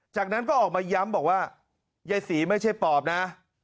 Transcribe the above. จากนั้นก็ออกมาย้ำบอกว่ายายศรีไม่ใช่ปอบนะ